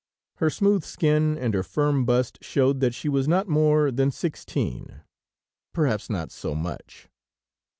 Her smooth skin and her firm bust showed that she was not more than sixteen; perhaps not so much.